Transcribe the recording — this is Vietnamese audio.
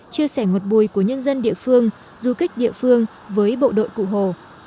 chia sẻ ngọt bùi của nhân dân địa phương du kích địa phương với bộ đội cụ hồ